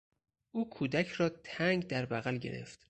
او کودک را تنگ در بغل گرفت.